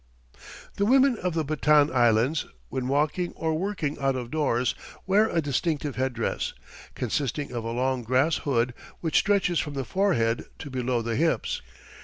The women of the Batan Islands, when walking or working out of doors, wear a distinctive headdress, consisting of a long grass hood, which stretches from the forehead to below the hips.